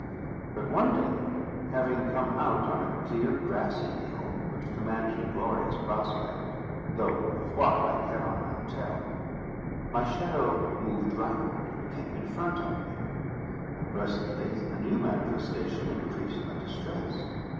But one day, having come out on a clear grassy hill, which commanded a glorious prospect, though of what I cannot now tell, my shadow moved round, and came in front of me. And, presently, a new manifestation increased my distress.